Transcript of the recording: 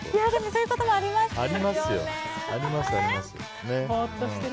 そういうこともありますよね。